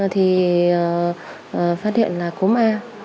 thì phát hiện là cúm a